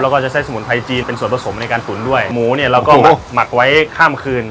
แล้วก็จะใช้สมุนไพรจีนเป็นส่วนผสมในการตุ๋นด้วยหมูเนี่ยเราก็หมักไว้ข้ามคืน